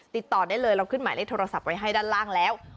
ติดต่อได้เลยเราขึ้นหมายเลขโทรศัพท์ไว้ให้ด้านล่างแล้ว